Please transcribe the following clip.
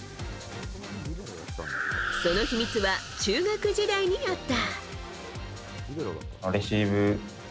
その秘密は中学時代にあった。